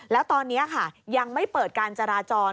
แล้วตอนนี้ค่ะยังไม่เปิดการจราจร